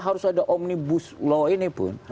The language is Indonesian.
harus ada omnibus law ini pun